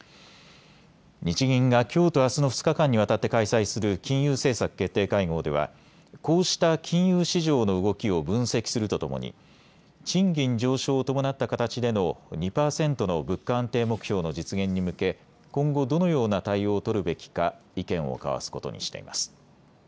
日銀がきょうとあすの２日間にわたって開催する金融政策決定会合ではこうした金融市場の動きを分析するとともに賃金上昇を伴った形での２％の物価安定目標の実現に向け今後どのような対応を取るべきか意見を交わすことにしています。